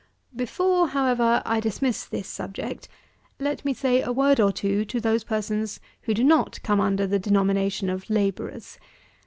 91. Before, however, I dismiss this subject, let me say a word or two to those persons who do not come under the denomination of labourers.